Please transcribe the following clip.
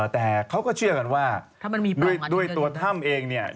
แต่เขาก็เชื่อกันว่าด้วยตัวถ้ำเองเนี่ย